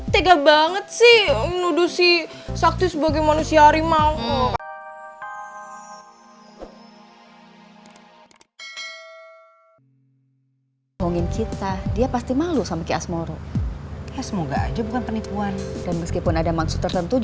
tega banget sih menuduh si sakti sebagai manusia harimau